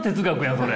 それ。